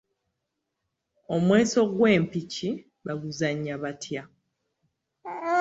Omweso gw'empiki bauzannya batya?